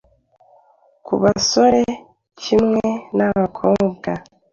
Ku basore kimwe n’abakobwa,